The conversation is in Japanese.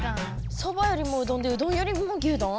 そばよりもうどんでうどんよりもぎゅうどん？